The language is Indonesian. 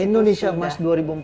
indonesia emas dua ribu empat puluh